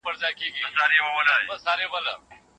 علمي خبره د تېر او راتلونکي ترمنځ تړاو دی.